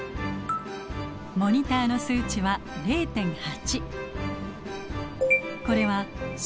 モニターの数値は０．８。